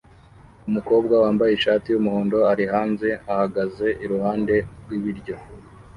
Umukobwa wambaye ishati yumuhondo ari hanze ahagaze iruhande rwibiryo